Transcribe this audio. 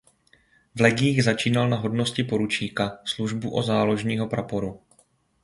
V legiích začínal na hodnosti poručíka službu u záložního praporu.